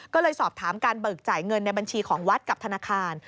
ก็เลยสอบถามการเบิกจ่ายเงินในบัญชีของวัดกับธนาคาร